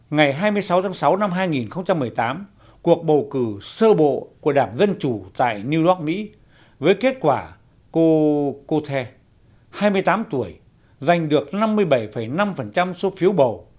ngày hai mươi sáu tháng sáu năm hai nghìn một mươi tám cuộc bầu cử sơ bộ của đảng dân chủ tại new york mỹ với kết quả cô the hai mươi tám tuổi giành được năm mươi bảy năm số phiếu bầu